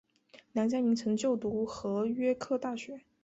梁嘉铭曾就读和约克大学。